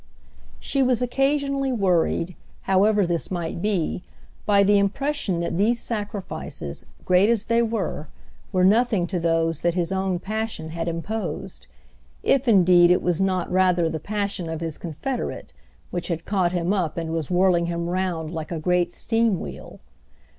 She was occasionally worried, however this might be, by the impression that these sacrifices, great as they were, were nothing to those that his own passion had imposed; if indeed it was not rather the passion of his confederate, which had caught him up and was whirling him round like a great steam wheel.